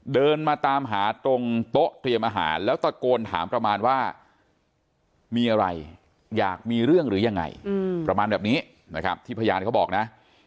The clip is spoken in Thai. เดินมาตามหาตรงโต๊ะเตรียมอาหารแล้วตะโกนถามประมาณว่ามีอะไรอยากมีเรื่องหรือยังไงประมาณแบบนี้นะครับที่พยานเขาบอกนะ